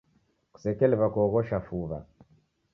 Kusekeliw'a kuoghosha fuw'a.